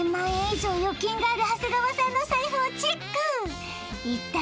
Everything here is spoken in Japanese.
以上預金がある長谷川さんの財布をチェック一体